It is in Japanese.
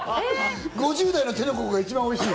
５０代の手のここが一番おいしい。